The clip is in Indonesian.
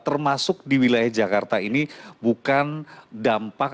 termasuk di wilayah jakarta ini bukan dampak